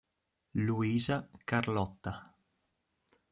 Luisa Carlotta